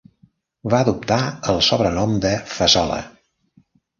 Va adoptar el sobrenom de Fazola.